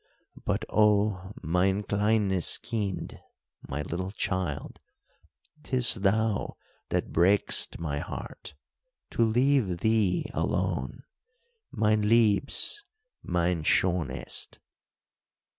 But, oh, mein kleines kind (my little child), 'tis thou that break'st my heart. To leave thee alone! mein liebes, mein schonest."